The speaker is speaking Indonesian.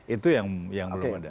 itu yang belum ada